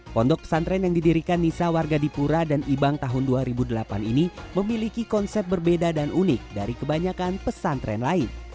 pondok pesantren yang didirikan nisa warga dipura dan ibang tahun dua ribu delapan ini memiliki konsep berbeda dan unik dari kebanyakan pesantren lain